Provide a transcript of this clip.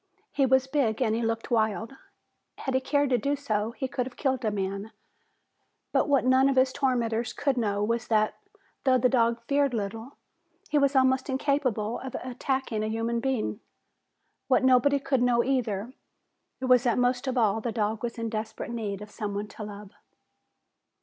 He was big and he looked wild. Had he cared to do so, he could have killed a man. But what none of his tormentors could know was that, though the dog feared little, he was almost incapable of attacking a human being. What nobody could know either was that, most of all, the dog was in desperate need of someone to love.